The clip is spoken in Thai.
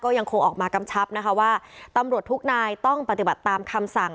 ยังคงออกมากำชับนะคะว่าตำรวจทุกนายต้องปฏิบัติตามคำสั่ง